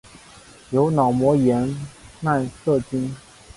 由脑膜炎奈瑟菌。